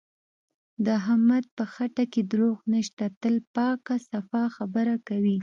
د احمد په خټه کې دروغ نشته، تل پاکه صفا خبره کوي.